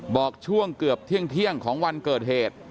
บอกช่วงเกือบเที่ยงของวันเกิดเหตุ